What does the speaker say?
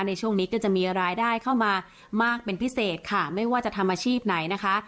ในช่วงนี้ก็จะมีรายได้เข้ามามากเป็นพิเศษค่ะไม่ว่าจะทำอาชีพไหนนะคะ